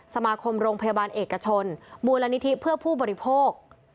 สมาคมโรงพยาบาลเอกชนมูลนิธิเพื่อผู้บริโภค